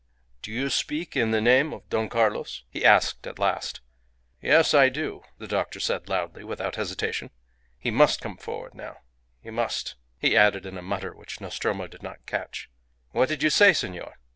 "Do you speak in the name of Don Carlos?" he asked at last. "Yes. I do," the doctor said, loudly, without hesitation. "He must come forward now. He must," he added in a mutter, which Nostromo did not catch. "What did you say, senor?"